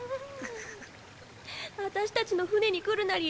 私たちの船に来るなり